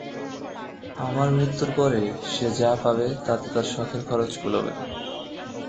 আমার মৃত্যুর পরে সে যা পাবে তাতে তার শখের খরচ কুলোবে না।